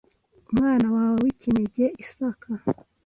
umwana wawe w’ikinege Isaka